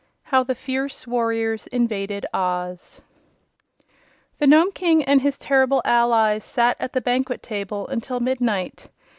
How the Fierce Warriors Invaded Oz The Nome King and his terrible allies sat at the banquet table until midnight.